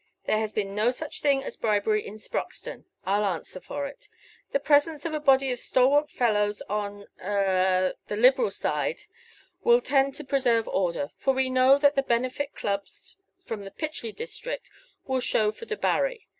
There has been no such thing as bribery at Sproxton, I'll answer for it. The presence of a body of stalwart fellows on a the Liberal side will tend to preserve order; for we know that the benefit clubs from the Pitchley district will show for Debarry.